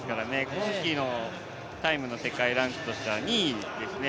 今季のタイムの世界ランクとしては２位ですね。